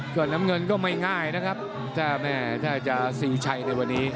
เกาะน้ำเงินก็ไม่ง่ายนะครับถ้าจะซิวชัยในวันนี้